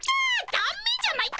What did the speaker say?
だめじゃないか！